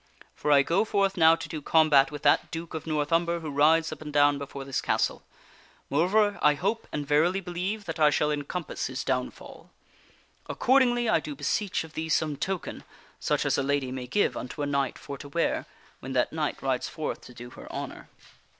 For I go forth now to do combat with that Duke of North Umber who rides up and down before this castle. Moreover, I hope and verily believe that I shall encompass his downfall; accordingly, I do beseech of thee some token, such as a lady may give unto a knight for to wear when that knight rides forth to do her honor."